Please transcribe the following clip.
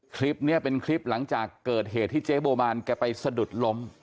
คลิปนี้เป็นคลิปหลังจากเกิดเหตุที่เจ๊โบมานแกไปสะดุดล้ม